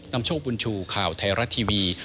นำโชคบุญชูข่าวไทยรัฐทีวี